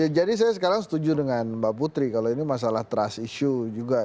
ya jadi saya sekarang setuju dengan mbak putri kalau ini masalah trust issue juga